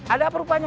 ada apa rupanya